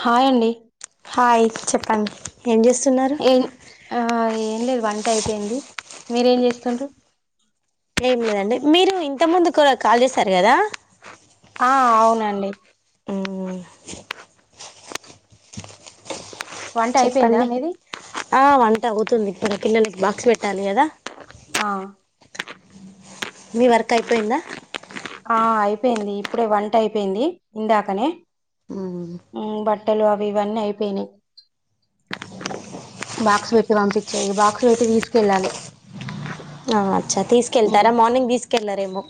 Hi అండి hi చెప్పండి ఏం చేస్తున్నారు ఏన్ ఆ ఏం లేదు వంట అయిపోయింది మీరేం చేస్తున్రు కో కాల్ చేసారు కదా ఆ అవునండి మ్మ్ వంట అయిపోయిందా చెప్పండి మీది ఆ వంట అవుతుంది ఇప్పుడు పిల్లలకి బాక్స్ పెట్టాలి కదా ఆ మీ వర్క్ అయిపోయిందా ఆ అయిపోయింది ఇప్పుడే వంట అయిపోయింది ఇందాకనే మ్మ్ ఉ బట్టలు అవి ఇవన్నీ అయిపోయినాయి బాక్స్ పెట్టి పంపించాయి బాక్స్ పెట్టి తీసుకెళ్ళాలి ఆ అచ్చా మ్ తీసుకెళ్తారా మార్నింగ్ తీసుకెళ్లారేమో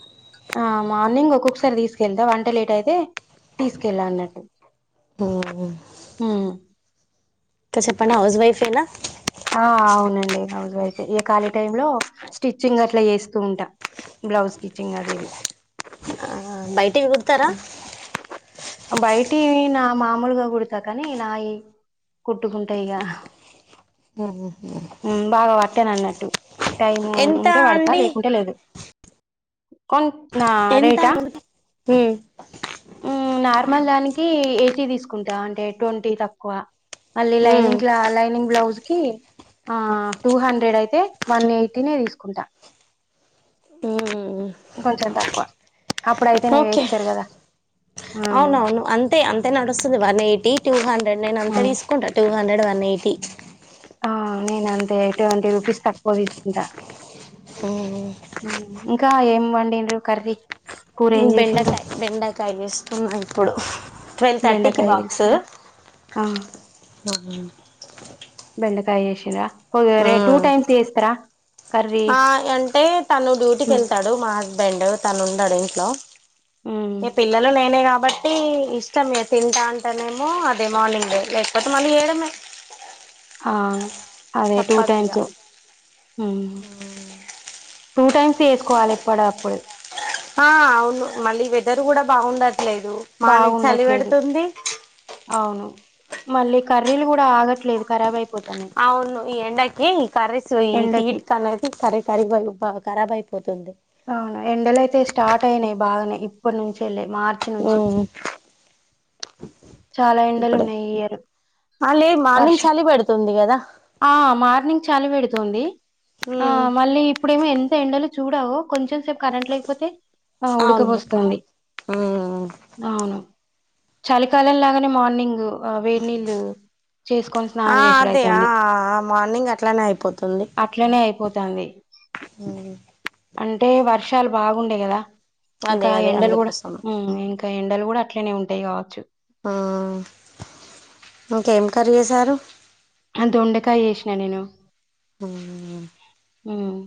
ఆ మార్నింగ్ ఒక్కొక్కసారి తీసుకెళ్తా వంట లేట్ అయితే తీసుకెళ్ళా అన్నట్టు మ్మ్ హు ఇంక చెప్పండి హౌస్ వైఫ్ ఏనా ఆ అవునండి హౌస్ వైఫే ఇగ ఖాళీ టైం లో స్టిచ్చింగ్ అట్లా చేస్తూ ఉంటా బ్లౌజ్ స్టిచ్చింగ్ అది ఇది బయటివి కుడతారా బయటియి నా మామూలుగా కుడతా కానీ నాయి కుట్టుకుంటా ఇగ బాగా పట్టానున్నట్టు [unintelligible] టైమ్ ఎంత ఉంటే పడతా అండి లేకుంటే లేదు కోన్ ఎంత అంటున్న ఉ ఉమ్ నార్మల్ దానికి ఎయిటీ తీసుకుంటా అంటే ట్వంటీ తక్కువ మళ్ళీ మ్మ్ లైనింగ్ క్లా లైనింగ్ బ్లౌజ్ కి ఆ టూ హండ్రెడ్ అయితే వన్ ఎయిటీనే తీసుకుంటా మ్మ్ కొంచం తక్కువ అప్పుడైతేనే ఓకే వేస్తారు కదా ఆ అవునవును అంతే అంతే నడుస్తుంది వన్ ఎయిటీ టూ హండ్రెడ్ నేను అంతే తీసుకుంటా టూ హండ్రెడ్ వన్ ఎయిటీ ఆ నేను అంతే ట్వంటీ రూపీస్ తక్కువ తీసుకుంటా ఉమ్ ఇంకా ఏమి వండిన్రూ కర్రీ కూర ఏం చేసిండ్రు బెండకాయ బెండకాయ చేస్తున్నా ఇప్పుడు ట్వెల్వ్ థర్టీకి బెండకాయ బాక్స్ చేసిరా ఆ బెండకాయ చేసినా రా హో గి రే టూ టైమ్స్ చేస్తారా కర్రీ ఆ అంటే తను డ్యూటీకి వెళ్తాడు మా హస్బెండ్ తను ఉండడు ఇంట్లో మ్మ్ ఇక పిల్లలు నేనే కాబట్టి ఇష్టమే తింటా అంటేనేమో అదే మార్నింగ్ లేకపోతే మళ్ళీ ఏడున్నయ్ ఆ అదే టూ టైమ్స్ ఊ మ్ టూ టైమ్స్ వేసుకోవాలి ఎప్పుడప్పుడు ఆ అవును మళ్ళీ వెదర్ కూడా బాగుండది లేదు మాార్నింగ్ చలి బాగుండట్లేదు పెడుతుంది అవును మళ్ళీ కర్రీలు కూడా ఆగట్లేదు ఖరాబ్ అయిపోతు అవును ఈ ఎండకి ఈ కర్రీసు ఈ ఎండకి హీట్ కి అనేది కర కర వండుతా కరాబైత పోద్ధి అవునా ఎండలయితే స్టార్ట్ అయినాయి బాగనే ఇప్పటి నుంచి వెళ్ళ మార్చి నుంచి ఉమ్ చాలా ఎండలు ఇప్పుడే ఉన్నాయి ఈ ఇయర్ అ లేదు వర్ష మార్నింగ్ చలి పడుతుంది కదా ఆ మార్నింగ్ చలి పెడుతుంది ఆ ఉమ్ మళ్ళీ ఇప్పుడేమో ఎంత ఎండలు చూడావో కొంచెం సేపు కరెంట్ లేకపోతే ఆ అవును ఉడకపోస్తుంది ఉమ్ అవును చాల ఈ కాలం లాగానే మార్నింగ్ వేడి నీళ్ళు చేసుకొని స్నానం ఆ చేసుడు అదే ఆ అయితుంది మార్నింగ్ అట్లనే అయిపోతుంది పోతుంది అంటే వారి వృక్షాలు బాగుండే కదా ఇంకా అదే అదే ఎండలు కూడా అందుకోసం ఇంకా ఎ ఇక్కడ కూడా అట్నే ఉంటాయి కావచ్చు ఆ ఇంకేం కర్రీ చేసారు అంత వండకాయ చేసినా నేను అవునా హ్మ్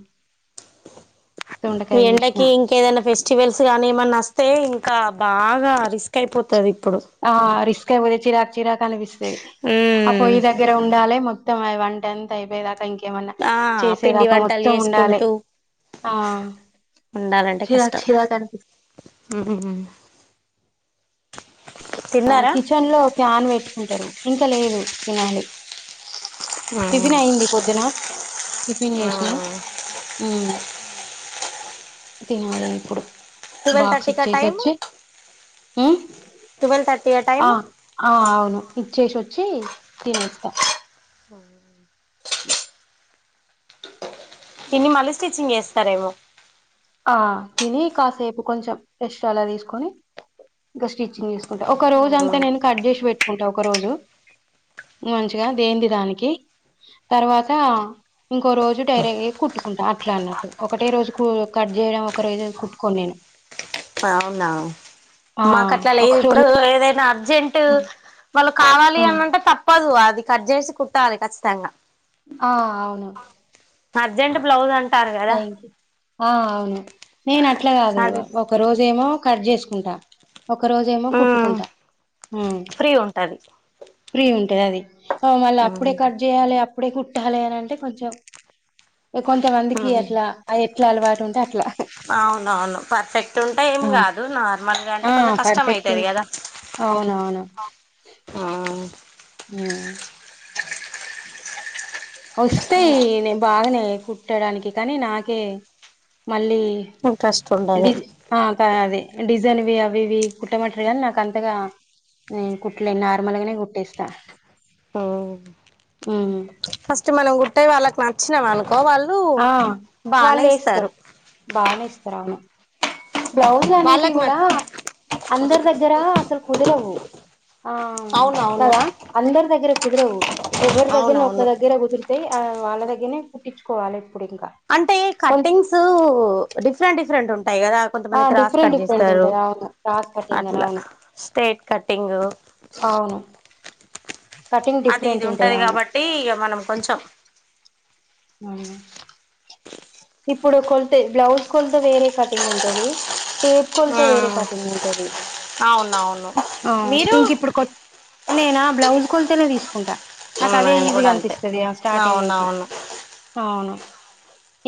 ఈ ఎండకి ఇంకేదైనా ఫెస్టివల్స్ గానీ ఏమన్నా వస్తే కా బాగా రిస్క్ అయిపోతది ఇప్పుడు ఆ రిస్క్ అయిపోతే చిరాకు చిరాకు అనిపిస్తది ఆ ఉమ్ పొయ్యి దగ్గర ఉండాలేం ఇక మరి వంటంతా అయిపోయినాక ఇంక మన్నా ఆ పిండి చేసేదాక వంటలు మొత్తం ఉండాలి చేసుకుంటూ ఆ ఉండాలంటే చిరాక్ కష్టం చిరాక అనిపిస్త మ్మ్ ఆ తిన్నారా కిచెన్ లో ఫ్యాన్ పెట్టుకుంటారు ఇంకా లేదు ని ఉమ్ టిఫిన్ అయ్యంది పొద్దున టిఫిన్ చేసిన తి నాలి ఇప్పుడు ట్వల్ బాక్స్ థర్టీ క ఇచ్చేసి టైమ్ వచ్చి ఉమ్ ట్వెల్వ్ థర్టీ ఆ టైమ్ ఆ అవును ఇచ్చేసి వచ్చి తినేస్తాం అ తిన్ని మళ్ళీ స్టిచ్చింగ్ చేస్తారేమో ఆ తిని కాసేపు కొంచెం ఎక్స్ట్రాలా తీసుకుని ఇంకా స్టిచ్చింగ్ తీసుకు ఒక రోజు అంతా నేను కట్ చేసి పెట్ కుంటా ఒక రోజు మంచిగా దేంది దానికి తర్వాత ఇంకో రోజు డైరెక్ట్ కుట్టుకుంటా అట్లా అన్నట్టు ఒకటే రోజు కట్ చేయడం ఒక రైజ కుట్టుకోని నేను అవునా ఆ మాకు అట్లా ఒక లేదు రోజు ఇప్పుడు ఏదైనా అం జంట్ వాళ్ళు కావాలి ఆ అని అంటే తప్పదు అది కట్ జేసి కుట్టాలి కచ్చితంగా ఆ అర్జెంట్ బ్లౌస్ అంటే థ్యాంక్ యూ ఆహ్ అవును నేను అట్లా కాదు అది ఒక రోజేమో కట్ జేసుకుంటా ఒక రోజేమో మ్మ్ కుట్టుకుంటా ఫ్రీ ఉంటది ఫ్రీ ఉంటది అది మళ్ళీ అప్పుడే మ్మ్ కర్ట్ చేయాలి ఇప్పుడే కుట్టాలి అనింటే కొంచెం కొంతమంది ఎట్లా అ ఇలా అలవాటుంటంది అవునవును పర్ఫెక్ట్ ఉంటే ఏం ఆ కాదు నార్మల్గా అంటే ఆ కొంచెం కష్టమ పర్ఫెక్ట్ అవుతుంది ఉంటే కదా అవునవును ఆ వస్తాయి నే బాగానే కుట్టడానికి కానీ నాకే మళ్ళీ ఇంట్రెస్ట్ ఉండదు జ అదే డిజైన్వి అవి ఇవి కుట్టమంటారు కా నాకు అంతగా నేను కుట్టలేను నార్మల్గానే కుట్టేస్తా మ్మ్ ఫస్ట్ మనం కుట్టినయి వాళ్ళకి నచ్చినవి అనుకో ఒక్కో వాళ్ళు ఆ బానే ఇస్తారు ప్రవణం బ్లౌజులు అనేటివి వాళ్ళకి కూడా నచ్చ అందరి దగ్గర అసలు కుదరవు ఆ అవునవును కదా అందరి దగ్గర కుదరవు ఎవరి దగ్గర ఒక్క అవునవును దగ్గర కుదిర్తాయి వాళ్ళ దగ్గరనే కుట్టించుకోవాలి ఇప్పుడు ఇంకా అంటే కొ కట్టింగ్స్ డిఫరెంట్ డిఫరెంట్ ఉంట ఉంటాయి కదా ఆ కొంతమంది క్రాస్ డిఫరెంట్ కట్ డిఫరెంట్ చేస్తారు ఉంటది అవును క్రాస్ కటింగ్ అని అట్లా అవును స్ట్రైట్ కట్టింగ్ అవును కటింగ్ అది డిఫరెంట్ ఇది ఉంటది అవును కాబట్టి ఇక మనం కొంచం ఇప్పుడు కొలత బ్లౌజ్ కొలత వేరే కటింగ్ ఉంటది టేపు కొలత వేరే మ్మ్ కటింగ్ ఉంటది అవునవును మీరు ఇంక ఇప్పుడు కొ నేనా బ్లౌజ్ కొల్తేనే తీసుకుంటా నాకు అదే నేను ఈజీగా కూడా అంతే అనిపిస్తుంది స్టార్టింగ్ నుంచి అవునవును అవును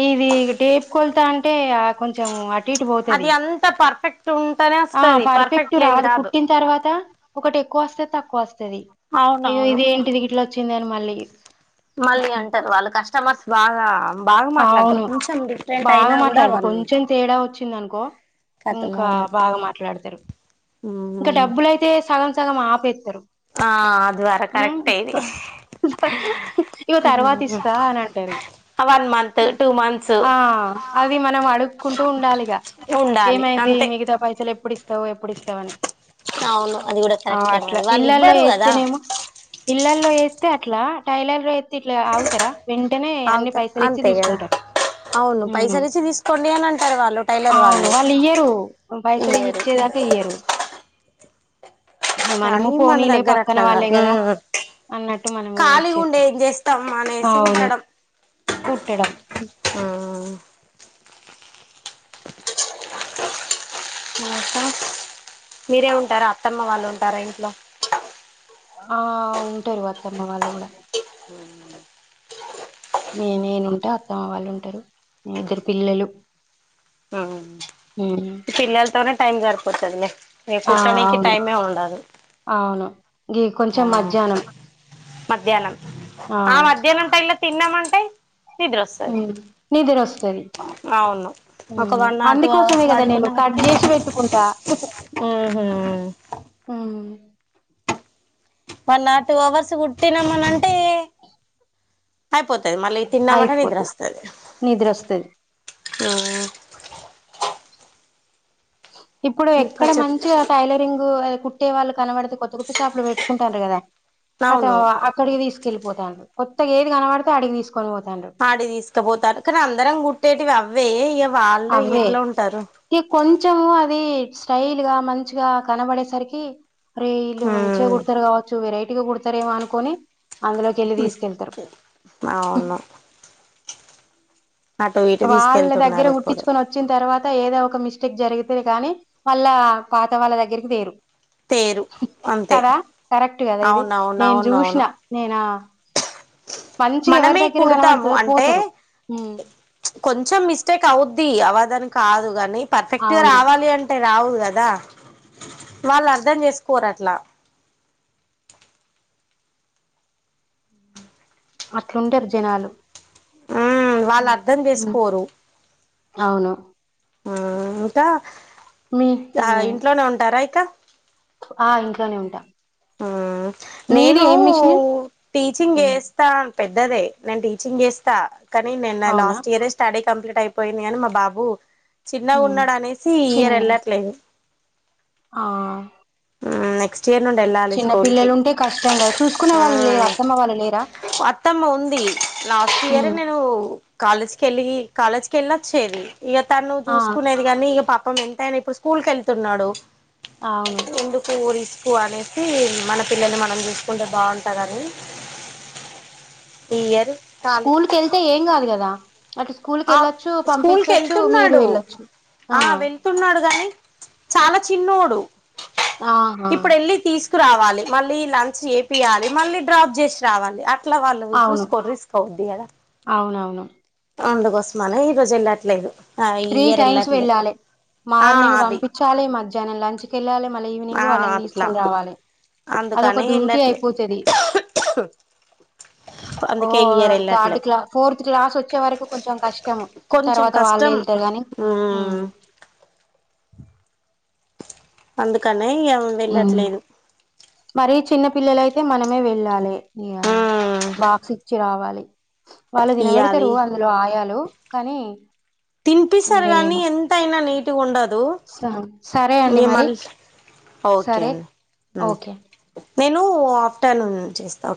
ఇది టేపు కొలుతా అంటే కొంచెం అ అది అంత పర్ఫెక్ట్ ఉంటానే ఆ వస్తుది పర్ఫెక్ట్ లేంది రాదు కుట్టిన తర్వాత ఒకటి ఎక్కువ వస్తాయ్ తక్కువ స్తా ది అయ్యో అవునవును ఇది ఏంటిది ఇట్లొచ్చింది చెందాను మళ్ళీ మళ్ళీ అంటారు వాళ్ళు కష్టమర్స్ బాగా బాగా మాట్లాడతారు అవును కొంచెం డిఫరెంట్ బాగా అయినా కూడా మాట్లాడారు వాళ్ళు కొంచెం తేడా వచ్చింది అనుకో కతం ఇంకా అవును బాగా మాట్లాడతారు ఇంకా మ్మ్ డబ్బులయితే సగం స గం ఆపేత్తరు ఆ అ ద వారా కరెక్ట్ ఇది ఇగ అ ఆహ్... అది మనం అడుక్కుంటూ ఉండాలి ఇగా ఉండాలి ఏమైంది అంతే మిగతా పైసలు ఎప్పుడు ఇస్త ఇస్తావు ఎప్పుడు ఇస్తావని అవును అది కూడా కరెక్టే మరి వాళ్ళు ఇళ్లల్లో ఇవ్వరు కదా ఏత్తేనేమో ఇళ్లల్లో ఎతే అట్లా టైలర్లో ఎతే ఇట్లా ఆగుతారా వెంటనే అన్ని ఆగుతారు పైసలు అంతే కదా తీసుకుంటారు అవును ఉ. పైసలు ఇచ్చి తీసుకోండి అని అంటారు వాళ్ళు టైలర్ అవును వాళ్ళు ఇయ్యరు పైసలు ఇయ్యరు ఇచ్చేదాకా ఇయ్యరు కానీ మనము మన పోనీలే దగ్గర పక్కన అట్లా వాళ్ళే కాదు కదా అన్నట్టు మనము ఖాళీ ఉండే ఇచ్చేస్తాం ఏం చేస్తాం మనేసి అవును కుట్టడం కుట్టడం ఆ మీరే ఉంటారా అత్తమ్మ వాళ్ళు ఉంటారా ఇంట్లో ఆ ఉంటారు వత్తమ్మ వాళ్ళు కూడా నే నేనుంటా అత్తమ్మ వాళ్ళు ఉంటారుే ఇద్దరు పిల్లలు ఉమ్ హ పిల్లలతోనే టైం సరిపోతుంది ఆ అవును అవును ఇ కొంచెం ఆ మధ్యాహ్నం మధ్యాహ్నం ఆ మధ్యాహ్నం ఉంటాయి లే తిన్నమంట నిద్ర వస్తుది అవును ఒక అవును వన్ నాట్ టూ అందుకోసంే అవర్స్ కదా నేను పడుకున్న కట్ వరకి చేసి పెట్టుకుంటా ఉహు వన్ ఆర్ టూ అవర్స్ కుట్టినామని అంటే అయిపోతు మళ్ళీ ఈ తిన్న మటన్ అయిపోతది. నిద్రోస్తుది నిద్రొస్తది. ఆ ఇప్పుడు ఇంకా ఎక్కడ చెప్ మంచిగా టైలరింగ్ కుట్టే వాళ్ళు కనబడితే కొత్త కొత్త షాపు లో పెట్టుకుంటారు కదా అత అవును అక్కడికి తీసుకెళ్ళిపోతాను కొత్తగా ఏది కనపడితే అడిగి తీకు ఆడి తీసుకుపోతారు కానీ అందరం గుట్టేటివి వేయంం అదే ఇ కొంచంచమ అది స్టైల్ గా మంచిగా కనబడేసరికి అరే ఇల్ మంచిగా కుడతారు కావచ్చు వెరై ఇట్గా కుడతారేమో అనుకొని అవును అటు ఇటు వాళ్ళ దగ్గర తీసుకెళ్తున్నారు ఇప్పుడు ఉట్టించుకొని వచ్చిన తర్వాత ఏదో ఒక మిస్ జరుగుతుంది కాగానీ వాళ్ళ పాత వాళ్ళ దగ్గరికి తీేరు తేరు అంతే కదా కరెక్ట్ కదా ఇది నేను చూసిన అవునవునవునవును నేనా మంచిగా ఎవరి మనమే దగ్గర కుడతాము అనమాడుతుందో అంటే పోతారు కొంచెం మిస్టేక్ అవుద్ది అ అ్వదని కాదు కాగాని పర్ఫెక్ట్ గా అవును రావాలి అంటే రావు కదా వాళ్ళు అర్ధం చేసుకోరు అట్లా అట్లుండారు జనాలు ఆ వాళ్ళు ఉమ్ అర్ధం ఉమ్, చేసుకోరు అవును ఇకా ఆ ఇంట్లోనే ఉంటారా అయితే ఆ ఇంట్లోనే ఉంటాం నేను టీచింగ్ ఉమ్ చేస్తా పెద్దదే నేను టీచింగ్ చేస్తా కానీ నేను అవునా లాస్ట్ ఇయర్ స్టార్ట్ కంప్లీట్ అయిపోయింది అని మా బాబు చిన్నగా ఉమ్ ఉన్నాడు అనేసి ఇయర్ చిన్న వెళ్ళట్లేదు ఆ నెక్స్ట్ ఇయర్ ఉండి వెళ్ళాలి చిన్న స్కూల్ కి పిల్లలు ఉంటే కష్టం కదా చూసుకునే ఆ వాళ్ళు లేరా అత్తమ్మ వాళ్ళు లేరా అత్తమ్మ ఉంది లాస్ట్ ఇయర్ ఉమ్ నేను కాలేజ్కి వెళ్ళి కాలేజ్కి వెళ్ళ వచ్చేది ఇక తను ఆ చూసుకునేది కానీ ఇక పప్పు పాపం ఎంతయినా ఇప్పుడు స్కూల్ క వెళ్తున్నాడు అవును ముందుకురిస్త పాలే మన పిల్లలు మనం చూసుకుంటే బాగుంటదని ఈర్ స్కూల్ క వెళ్తే ఏం కాదు కదా అటు స్కూల్ కి ఆ వెళ్ళొచ్చు స్కూల్ క పంపించొచ్చు మీరు వెళ్తున్నాడు వెళ్ళొచ్చు ఆ వెళ్తున్నాడు గాని చాలా చిన్నోడు ఆహా రావాలి మళ్ళీ లంచ్ ఏపియాలి మళ్ళీ డ్రాప్ చేసి రావాలి పట్లా వాళ్ళ అవును చూస్కో రిస్కావంది అవునవును అందుకోసమాన ఈ రోజు వెళ్ళట్లేదు ఆ ఈ త్రీ ఇయర్ టైమ్స్ వెళ్ళట్లే వెళ్ళాలి ఆ మార్నింగ్ అది పంపించాలి మధ్యాహ్నం లంచకి వెళ్ళాలి ఆ నింగ్ వాళ అట్లా తీకనిలి అ అందుకని డ్యూటీ వెళ్ళట్లే అయిపోతుంది అందుకే ఈ ఇయర్ వెళ్ళట్లే ఫోర్ క్లా వచ్చే వరకు కొంచం కం కొంచెం తర్వా కష్టం గాని మ్మ్ అందుకని ఇ ఉమ్. వెళ్ళట్లేదు మరి చిన్న పిల్లలయితే మనమే వెళ్ళాలి ఈ మ్మ్ బాక్స్ ఇచ్చి రావాలి వాళ్ళు తినబెడతారు ఇయ్యాలి అందులో ఆయాలు కానీ తినిపిస్తారు ఇంకా ఏమ కానీ ఎంతయినా నీట్గా ఉండదు సరే అండి ఇగ మరి మళ్ళీ ఓకే సరే అండి మ్మ్ ఓకే అండి నేను ఆఫ్టర్నూన్ చేస్తాను ఓ